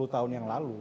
sepuluh tahun yang lalu